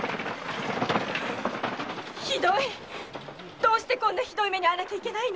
どうしてこんな目に遭わなきゃいけないの！